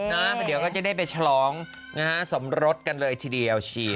ไหนเดี๋ยวเขาจะได้ไปฉลองนะฮะสอบรสกันเลยทีเดียวโหยนี้